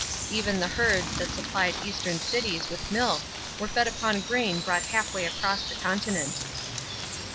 Even the herds that supplied Eastern cities with milk were fed upon grain brought halfway across the continent.